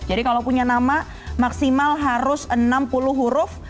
jadi kalau punya nama maksimal harus enam puluh huruf